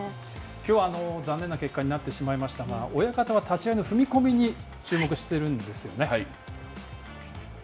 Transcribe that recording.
きょうは残念な結果になってしまいましたが、親方は立ち合いの踏み込みに注目しているんですよね。